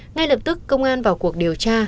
ngay lập tức công an vào cuộc điều tra